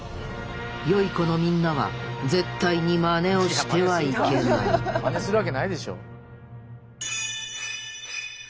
良い子のみんなは絶対にマネをしてはいけないマネするわけないでしょ。